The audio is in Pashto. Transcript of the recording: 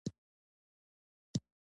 د هرات هوا ډیره ښکلې وه.